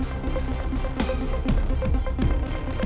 bisa kita baik baik saja